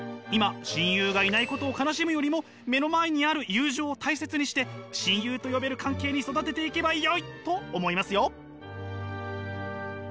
今親友がいないことを悲しむよりも目の前にある友情を大切にして親友と呼べる関係に育てていけばよいと思いますよ。